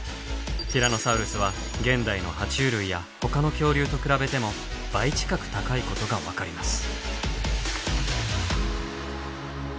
ティラノサウルスは現代のは虫類やほかの恐竜と比べても倍近く高いことが分かります。